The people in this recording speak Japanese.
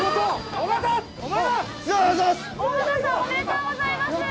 尾形さんおめでとうございます。